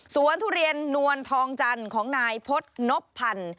ทุเรียนนวลทองจันทร์ของนายพฤษนพพันธ์